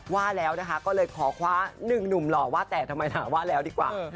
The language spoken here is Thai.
ว่าแล้วนะคะก็เลยขอคว้าหนึ่งหนุ่มหล่อว่าแต่ทำไมถามว่าแล้วดีกว่า